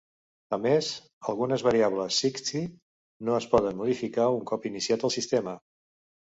A més, algunes variables sysctl no es poden modificar un cop iniciat el sistema.